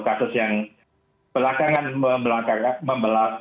kasus yang belakangan kemudian yang terjadi yang terjadi ketika keadaan terjadi